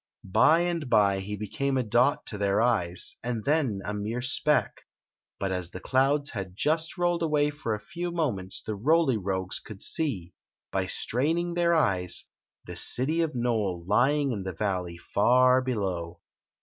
By and by he became a dot to their eyes and then a mere speck; but as the clouds had just rolled away for a few moments the Roly Rogues could see, by straining their eyes, the city of Nole lymg in the valley far below.